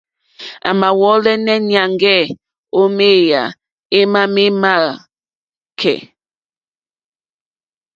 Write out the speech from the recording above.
A mà wɔ̀lɛ̀nɛ̀ nyàŋgɛ̀ o meya ema me ma akɛ̀ɛ̀.